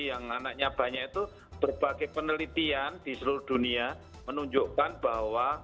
yang anaknya banyak itu berbagai penelitian di seluruh dunia menunjukkan bahwa